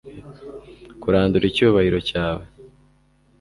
Kurandura icyubahiro cyawe